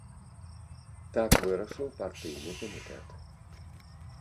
Так вырашыў партыйны камітэт.